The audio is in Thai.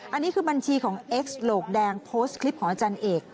อันนี้คือบัญชีของเอ็กซ์โหลกแดงโพสต์คลิปของอาจารย์เอก